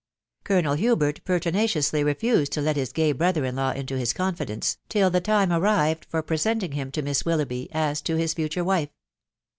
Colonel Hubert pertinaciously refused to let his gay brother in law into his confidence, till the time arrived for presenting him to Miss Willoughby, as to his future wife.